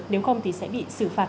nếu không thì sẽ bị xử phạt